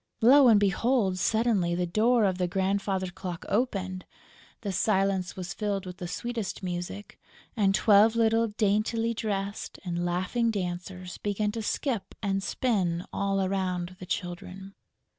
Lo and behold, suddenly the door of the grandfather's clock opened, the silence was filled with the sweetest music and twelve little daintily dressed and laughing dancers began to skip and spin all around the Children.